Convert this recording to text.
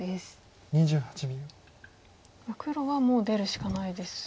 黒はもう出るしかないですよね。